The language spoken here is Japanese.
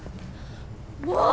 もう！